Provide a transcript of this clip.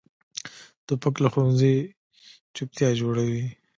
توپک له ښوونځي چپتیا جوړوي.